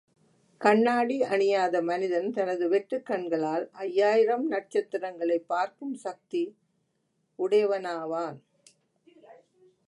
கண்ணாடி அணியாத மனிதன் தனது வெற்றுக்கண்களால் ஐயாயிரம் நட்சத்திரங்களைப் பார்க்கும் சக்தி யுட்டையவனாவான்.